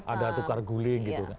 ada tukar guling gitu